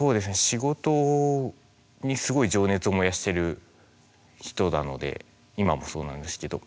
仕事にすごい情熱を燃やしてる人なので今もそうなんですけど。